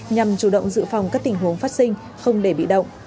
nhằm chủ động dự phòng các tình huống phát sinh không để bị động